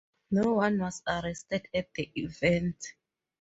No one was arrested at the event.